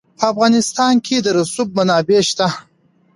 په افغانستان کې د رسوب منابع شته.